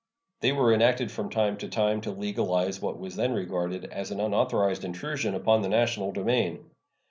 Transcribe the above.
They were enacted from time to time to legalize what was then regarded as an unauthorized intrusion upon the national domain.